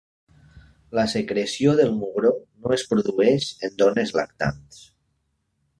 La secreció del mugró no es produeix en dones lactants.